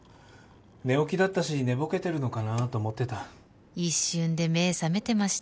寝起きだったし寝ぼけてるのかなと思ってた一瞬で目覚めてました